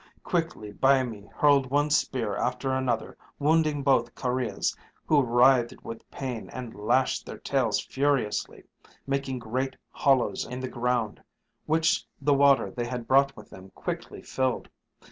Quickly Byamee hurled one spear after another, wounding both kurreahs, who writhed with pain and lashed their tails furiously, making great hollows in the ground, which the water they had brought with them quickly filled.